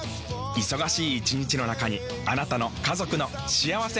忙しい一日の中にあなたの家族の幸せな時間をつくります。